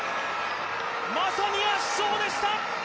まさに圧勝でした！